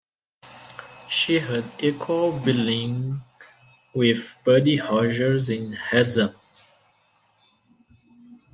She had equal billing with Buddy Rogers in Heads Up!